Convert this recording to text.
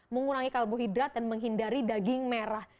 mengurangi karbohidrat dan menghindari daging merah